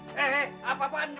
eh eh apa apaan ini